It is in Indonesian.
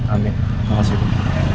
amin terima kasih pak